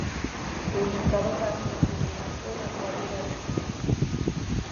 Indicado para su mantenimiento en acuario de arrecife.